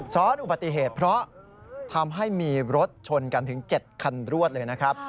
อุบัติเหตุเพราะทำให้มีรถชนกันถึง๗คันรวดเลยนะครับ